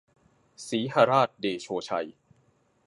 สีหราชเดโชชัย